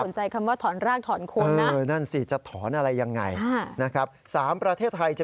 น่าสนใจคำว่าถอนรากถอนโคนนะ